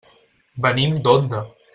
Venim d'Onda.